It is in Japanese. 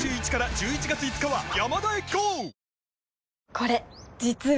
これ実は。